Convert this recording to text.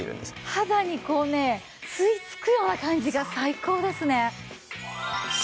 肌にこうね吸い付くような感じが最高ですね。